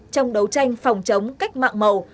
trong đấu tranh phòng chống cách mạng màu